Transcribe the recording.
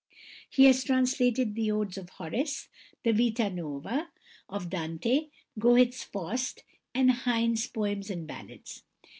He has translated the Odes of Horace, "The Vita Nuova" of Dante, Goethe's "Faust," and Heine's "Poems and Ballads."